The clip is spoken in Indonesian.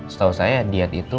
setahu saya diet itu